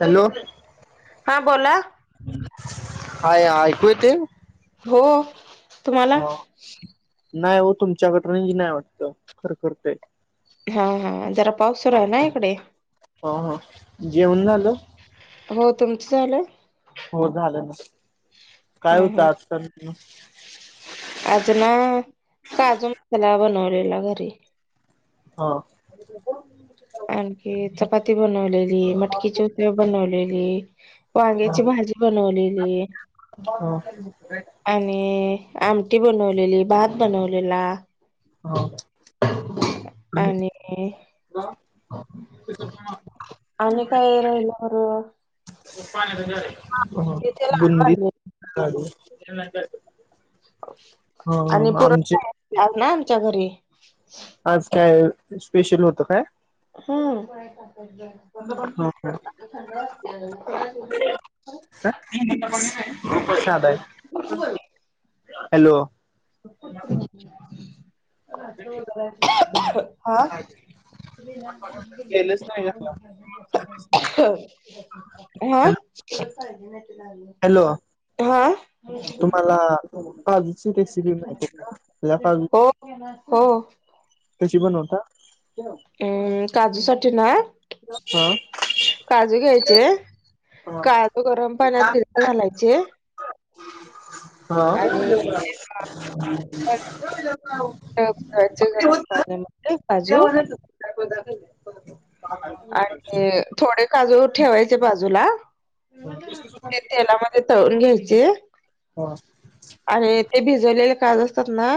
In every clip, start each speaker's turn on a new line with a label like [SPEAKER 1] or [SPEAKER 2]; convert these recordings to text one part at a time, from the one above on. [SPEAKER 1] Hello
[SPEAKER 2] हा बोला.
[SPEAKER 1] Hi ऐकू येतय?
[SPEAKER 2] हो तुम्हाला
[SPEAKER 1] नाही हो तुमच्याकड‌ रेंज नाही वाटत खरखर तय.
[SPEAKER 2] हा हा जरा पाऊस सुरू आहे ना इकडे.
[SPEAKER 1] ह हा जेवन झाल.
[SPEAKER 2] हो तुमचं झालं.
[SPEAKER 1] हो झालं ना
[SPEAKER 2] हा
[SPEAKER 1] काय होतं
[SPEAKER 2] हा
[SPEAKER 1] आजचा मेनू?
[SPEAKER 2] आज ना काजू मसाला बनवलेला घरी.
[SPEAKER 1] हा [unintelligible]
[SPEAKER 2] आणखी चपाती बनवलेली मटकीची उसळ बनवलेली. वांग्याची भाजी बनवलेली.
[SPEAKER 1] हा हा
[SPEAKER 2] आणि आमटी बनवलेली भात बनवलेला.
[SPEAKER 1] हा
[SPEAKER 2] आणि आणि काय राहिलं बर? तिचे
[SPEAKER 1] [unintelligible] [inaudible]
[SPEAKER 2] लाडू
[SPEAKER 1] बुंदी
[SPEAKER 2] आणले
[SPEAKER 1] लाडू
[SPEAKER 2] अश [unintelligible]
[SPEAKER 1] हा आमचे
[SPEAKER 2] आज ना आमच्या घरी
[SPEAKER 1] आज काय स्पेशल होतं काय? हा हा
[SPEAKER 2] हम्म
[SPEAKER 1] प्र आहे [unintelligible] [inaudible] हॅलो
[SPEAKER 2] हा [unintelligible] [inaudible]
[SPEAKER 1] केलंच नाही का
[SPEAKER 2] [unintelligible] हो हा
[SPEAKER 1] हॅलो हॅलो
[SPEAKER 2] हा
[SPEAKER 1] तुम्हाला काजुची रेसिपी माहिती आहे का ओल्या काजूची.
[SPEAKER 2] हो हो
[SPEAKER 1] कशी बनवता?
[SPEAKER 2] अम्म काजूसाठी ना,
[SPEAKER 1] हा
[SPEAKER 2] काजू घ्यायचे
[SPEAKER 1] हा
[SPEAKER 2] काजू गरम पाण्यात
[SPEAKER 1] हा
[SPEAKER 2] भिजत घालायचे,
[SPEAKER 1] हा
[SPEAKER 2] आणि धुवायचे गरम पाण्याने.
[SPEAKER 1] [unintelligible] वेत दा
[SPEAKER 2] आणि थोडे काजू ठेवायचे बाजूला. ते तेलामध्ये तळून घ्यायचे,
[SPEAKER 1] हो
[SPEAKER 2] अणी ते भिजवलेले काजु असतात ना,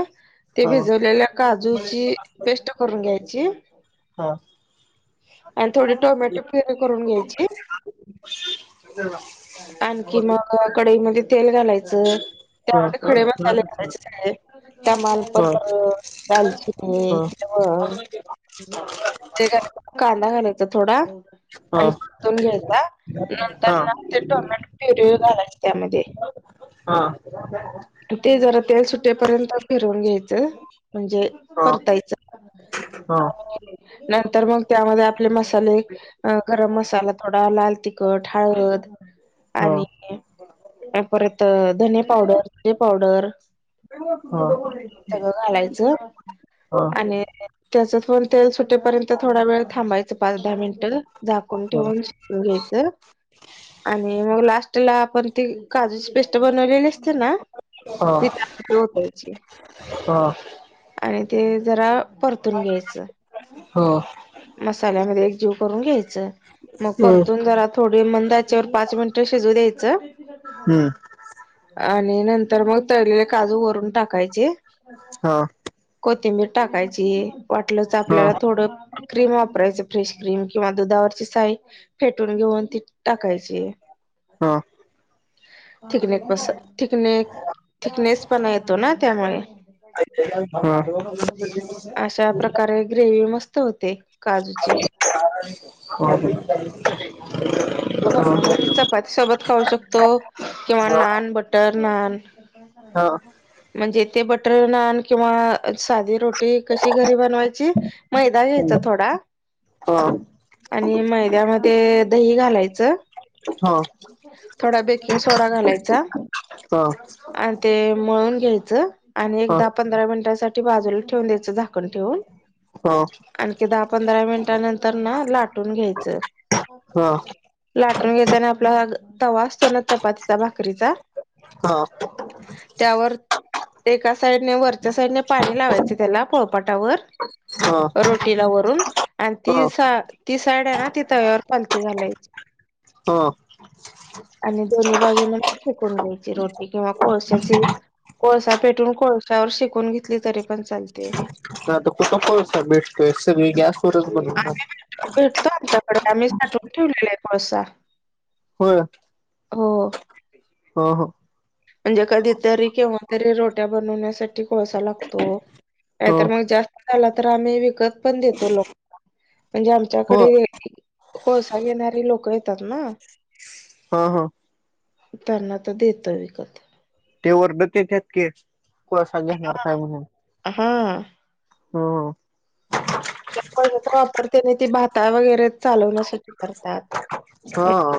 [SPEAKER 2] ते भिजवलेल्या काजूची पेस्ट करून घ्यायची.
[SPEAKER 1] हा
[SPEAKER 2] आणि थोडी टमॅटो प्युरी करून घ्यायची.
[SPEAKER 1] का [unintelligible]
[SPEAKER 2] आणखी मग कडईमध्ये तेल घालायचं. च तेव्हा ते खडे मसाले करायचे काय? तमालपत्र, दालचिनी, तव कांदा घालायचा थोडा आणि परतून घ्यायचा
[SPEAKER 1] हा
[SPEAKER 2] नंतर न ते टोमॅटो प्युरी घालायच त्यामध्ये.
[SPEAKER 1] हा
[SPEAKER 2] ते जरा तेल सुटेपर्यंत फिरून घ्यायचं म्हणजे परतायच नंतर मग त्यामध्ये आ पले मसाले गरम मसाला थोडा लाल तिखट, हळत आणि परत धन पावडर, जिरे पावडर सगळ घालायचं आणि त्याच पण ते सुट टेपर्यंत थोडा वेळ थांबायचं पाच दहा मिनिटं झाकून ठेवून शिजवून घ्यायचं. आणि मग लास्ट ला आपण ती काजूची पेस्ट बनवलेली असतिया ना ति त्यात ओतायची आणि ते जरा परतून घ्यायचं. मसाल्यामध्ये एक जीव करून घ्यायच. मग परतून जरा थोडी मंद आ चे वर पाच मिनिट शिजू द्यायचं. आणि नंतर मग तळलेले काजू वरून टाकायचे. कोथिंबीर टाकायची वाटलंच त आपल्याला थोडं क्रीम वापरायच फ्रेश क्रीम किंवा दुधावरची साय फेटून घेऊन ती टाकायची. थिकनेस पसा थिकनेक थिकनेस पणा येतो ना त्यामुळे.
[SPEAKER 1] हा.
[SPEAKER 2] कारण ग्रेव्ही मस्त होते काजूची.
[SPEAKER 1] होते.
[SPEAKER 2] अं म ती चपाती सोबत खाऊ शकतो किंवा नान, बटर नान म्हणजे ते बटर नान किंवा सादे रोटी कशी घरी बनवायची मैदा घ्यायचा थोडा आणि मैद्यामध्ये दही घालाय थोडा बेकिंग सोडा घालायचा. आणि ते मळून घ्यायचं आणि एक दहा पंधरा मिनिटांसाठी बाजूला ठेवून द्यायचं झा कण ठेवून.
[SPEAKER 1] हो.
[SPEAKER 2] आणकी दहा पंधरा मिनटां नंतर न लाटून घ्यायचं. लाटून घेतल्यान आपला तवा असतो ना चपातीचा, भाकरीचा त्यावर एका साईडने वरच्या साईडने पाणी लावायच त्याला पोळपाटावर. रोटीला वरून आणि ती सा ती साईड हाय ना ती तव्यावर पालती घालायची.
[SPEAKER 1] हा.
[SPEAKER 2] आणि दोन्ही बाजून शेकून घ्यायची रोटी किंवा कोळशाची कोळसा पटवून कोळशावर शेकून घेतली तरी पण चालते.
[SPEAKER 1] आता कुठं कोळसा भेटतोय सगळी गॅस वरच बनतात.
[SPEAKER 2] आम्ही भेटतो आमच्याकडे आम्ही साठवून ठेवलेला आय कोळसा.
[SPEAKER 1] होय?
[SPEAKER 2] हो.
[SPEAKER 1] हा हा.
[SPEAKER 2] म्हणजे कधीतरी केव्हातरी रोट्या बनवण्यासाठी कोळसा लागतो. नायतर
[SPEAKER 1] हो
[SPEAKER 2] मग जास्त झाला तर आम्ही विकत पण देतो लोकां म्हणजे
[SPEAKER 1] हो
[SPEAKER 2] आमच्याकडे कोळसा घेणारे लोक येतात ना.
[SPEAKER 1] हं हं
[SPEAKER 2] त्यांना तर देतोय विकत.
[SPEAKER 1] ते वरडत येत्यात की कोळसा घेणार
[SPEAKER 2] हा
[SPEAKER 1] काय म्हणून.
[SPEAKER 2] हा
[SPEAKER 1] हम्म
[SPEAKER 2] त्या कोळशाचा वापर त्याने ते भाता वगैरे चालवण्यासाठी करतात.
[SPEAKER 1] हां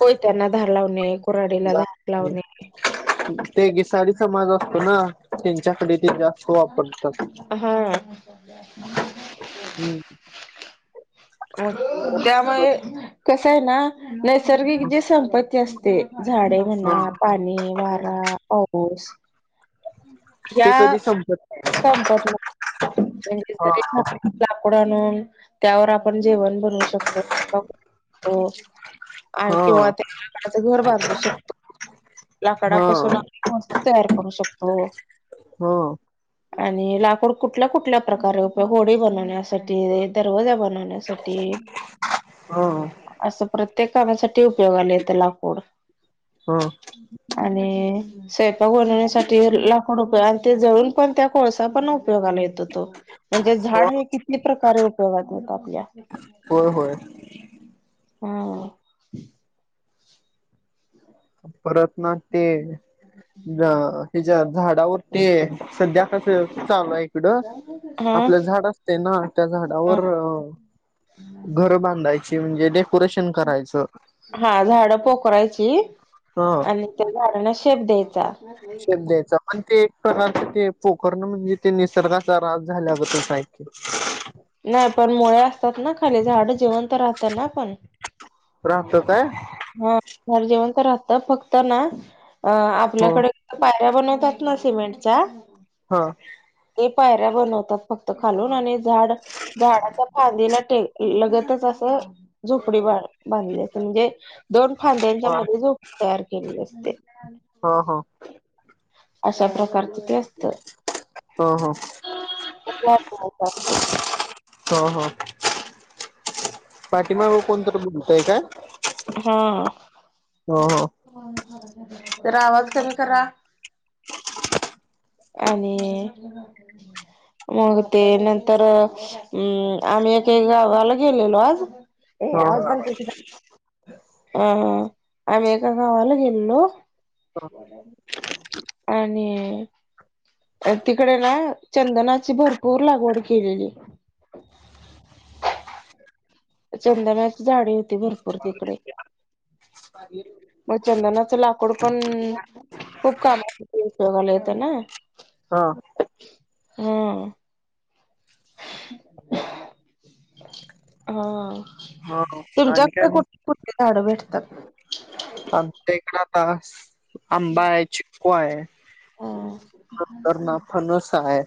[SPEAKER 2] कोयत्यांना धार लावने.
[SPEAKER 1] [unintelligible] ते घे साडीच समाज असतो ना त्यांच्याकडे [unintelligible] हो वापरतात
[SPEAKER 2] हा
[SPEAKER 1] हम्
[SPEAKER 2] [unintelligible] त्यामुळे कसं आहे ना नैसर्गिक जे संपत्ती असते झाडे
[SPEAKER 1] हा
[SPEAKER 2] म्हणा पाणी [inaudible] वारा पाऊस या
[SPEAKER 1] ते कधी संपत
[SPEAKER 2] संपत म्हन म्हणजे
[SPEAKER 1] हा
[SPEAKER 2] लाकूड आणून त्यावर आपण जेवण बन शकतो [unintelligible] तो [inaudible]
[SPEAKER 1] हा
[SPEAKER 2] किंवा त्या लाकडाच घर बांधू शकतो,
[SPEAKER 1] हा
[SPEAKER 2] लाकडापासून वस्तू तयार करू शकतो
[SPEAKER 1] हो
[SPEAKER 2] आणि लाकूड कुठल्या कुठल्या प्रकारे उपयोग होडी बनवण्यासाठी दरवाजा बनवण्या वण्यासाठी
[SPEAKER 1] हा
[SPEAKER 2] अस प्रत्येक कामासाठी किती उपयोगाला येतं लाकूड
[SPEAKER 1] हा
[SPEAKER 2] आणि सेफ [inaudible] साठी लाखो रुपये आणि ते जळून पण त्या कोळसा पण उपयोगाला येतो तो, म्हणजे झाड हे कितली प्रकारे उपयोगात येत आपल्या.
[SPEAKER 1] होय होय
[SPEAKER 2] हू
[SPEAKER 1] परत ना ते जा त्याच्या झाडावर ते सध्या कसं चालू आहे इकडं
[SPEAKER 2] हा.
[SPEAKER 1] आपल्या झाड ते ना त्या
[SPEAKER 2] हा
[SPEAKER 1] झाडावर घरं बांधायची म्हणजे डेकोरेशन करायचं.
[SPEAKER 2] हा झाडं पोखरायची
[SPEAKER 1] हा.
[SPEAKER 2] आणि त्या झाडाना शेप द्यायचा.
[SPEAKER 1] शेप द्यायचा पण ते एक प्रकारच ते पोखरण म्हणजे ते निसर्गाचा ऱ्हास झाल्यागतच हाय.
[SPEAKER 2] नाही पण मुळे असतात ना खाली झाडं जिवंत राहतात ना पण
[SPEAKER 1] राहतात
[SPEAKER 2] झाडं जिवंत राहतात फक्त ना अ
[SPEAKER 1] ह
[SPEAKER 2] आपल्याकडे पायऱ्या बनवतात ना सिमेंटच्या
[SPEAKER 1] हा.
[SPEAKER 2] ते पायऱ्या बनवतात फक्त खालून आणि झाड झाडाच्या फांदीला टे लगतच असं झोपडी बांध बांधली म्हणजे दोन फांद्यांच्या मध्ये झोपडी तयार केलेली असते.
[SPEAKER 1] हं, हं
[SPEAKER 2] अशा प्रकारच ते असते.
[SPEAKER 1] हो, हो.
[SPEAKER 2] [unintelligible]
[SPEAKER 1] हं, हं पाठीमाग कोणतरी बोलतयं का?
[SPEAKER 2] हा, जरा आवाज कमी करा. आणि मग ते नंतर अ हम्म, आम्ही एके गावाला गेलेलो.
[SPEAKER 1] हं, हा...
[SPEAKER 2] अं आम्ही एका गावाला गेलेलो. आणि आण् तिकडे ना चंदनाची भरपूर लागवड केलेली. चंदनाची झाडे होती भरपूर तिकडे, मग चंदनाचं लाक लाकूड पण खूप कामाला उपयोगाला येत ना
[SPEAKER 1] ह
[SPEAKER 2] होय, हं
[SPEAKER 1] ह आणि
[SPEAKER 2] तुमच्याक
[SPEAKER 1] काय मग
[SPEAKER 2] कुठ कुठली झाडं भेटतात?
[SPEAKER 1] आमच्या इकडे आता आंबा हाय, चिकू हाय.
[SPEAKER 2] हम्म
[SPEAKER 1] नंतरन फणस हाय,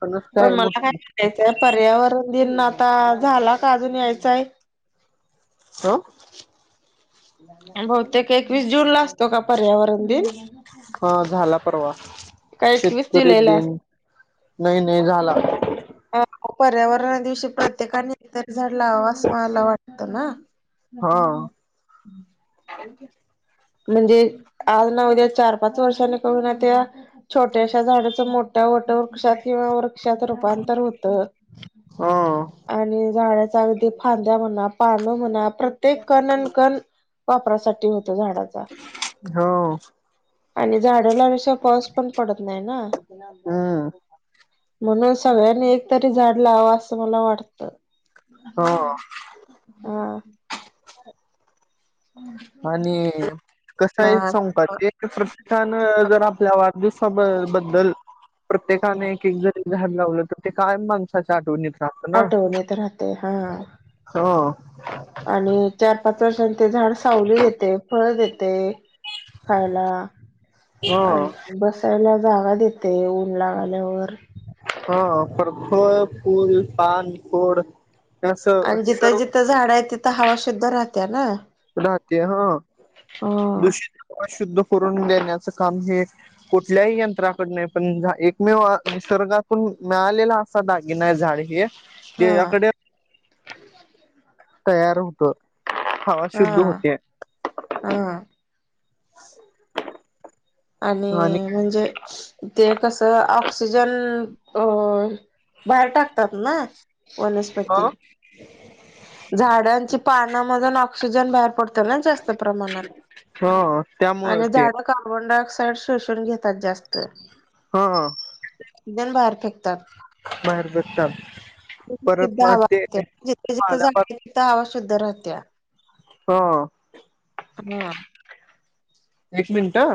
[SPEAKER 1] फणस काय मग
[SPEAKER 2] याच्या पर्यावरण दिन आता झाला का अजून यायचाय?
[SPEAKER 1] हां.
[SPEAKER 2] आणि बहुतेक एकवीस जून ला असतो का पर्यावरण दिन?
[SPEAKER 1] हा झाला परवा,
[SPEAKER 2] का एकवीस
[SPEAKER 1] शेतकरी
[SPEAKER 2] जुलैला
[SPEAKER 1] दिन नाही, नाही झाला.
[SPEAKER 2] कारण का पर्यावरणा दिवशी प्रत्येकानी एकतरी झाड लावाव असं मला वाटतं ना.
[SPEAKER 1] हो,
[SPEAKER 2] [inaudible] म्हणजे आज ना उद्या चार -पाच वर्षांनी का होईना त्या छोट्याश्या झाडाचं मोठ्या वटवृक्षात किंवा व क्षात रूपांतर होत.
[SPEAKER 1] हा
[SPEAKER 2] आणि झाडाचा अगदी फांद्या म्हणा, पान म्हणा प्रत्येक कणनकण वापरासाठी होतो झाडाचा.
[SPEAKER 1] हो,
[SPEAKER 2] आणि झाड लावल्याशिवाय पाऊस पण पडत नाही ना
[SPEAKER 1] हम्म
[SPEAKER 2] म्हणून सगळ्यांनी एकतरी झाड लावावं असं मला वाटतं.
[SPEAKER 1] हो,
[SPEAKER 2] हा,
[SPEAKER 1] आणि कस
[SPEAKER 2] ना
[SPEAKER 1] आहे सांगु का ते प्रत्येकान जर आपल्या वाढदिवसा बद्दल प्रत्येकाने एक-एक जरी झाड लावलं तर ते काय माण माणसाच्या आठवणित राहतं ना,
[SPEAKER 2] आठवण येत राहते हा
[SPEAKER 1] हो
[SPEAKER 2] आणि चार -पाच वर्षांनी ते झाड सावली देते, फळ देते. खायला
[SPEAKER 1] हा
[SPEAKER 2] अन् बसायला जागा देते ऊन लागल्यावर.
[SPEAKER 1] हा, पर फळ, फुल, पान, फोड
[SPEAKER 2] आणि जिथं जिथं झाडं आहे, तिथं हवा शुद्ध राहत्या ना.
[SPEAKER 1] राहते ह,
[SPEAKER 2] हा
[SPEAKER 1] दूषित-शुद्ध करून देण्याचं काम हे. कुठल्याही यंत्राकड नाही, पण एकमेव हा निसर्गातून मिळालेला. दागिना आहे झाड हे.
[SPEAKER 2] हा.
[SPEAKER 1] त्याच्याकडे तयार होतो.
[SPEAKER 2] हा. हा. आणि म्हणजे. ते कसं ऑक्सिजन अ, बाहेर टाकतात ना.
[SPEAKER 1] आ.
[SPEAKER 2] वनस्पती झाडांची पानामधून, ऑक्सिजन, बाहेर पडतो ना, जास्त प्रमाणात.
[SPEAKER 1] हो त्यामुळे
[SPEAKER 2] आणि
[SPEAKER 1] ते.
[SPEAKER 2] झाडं कार्बन डाय ऑक्साइड शोषून घेतात जास्त.
[SPEAKER 1] हो.
[SPEAKER 2] ऑक्सिजन बाहेर फेकतात.
[SPEAKER 1] मार [unintelligible]
[SPEAKER 2] शुद्ध हवा ते जिथे-जिथ-तिथ हवा शुद्ध राहत्या.
[SPEAKER 1] हा
[SPEAKER 2] हा
[SPEAKER 1] एक मिनट हा.